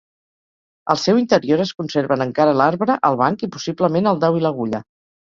Al seu interior es conserven encara l'arbre, el banc i possiblement el dau i l'agulla.